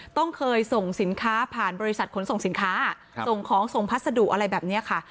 ต้องเคยส่งสินค้าผ่านบริษัทขนส่งสินค้าส่งของส่งพัสดุอะไรแบบนี้ค่ะ